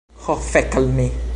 Ho fek' al mi